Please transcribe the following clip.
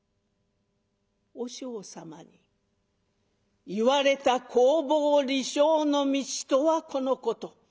和尚様に言われた興法利生の道とはこのこと。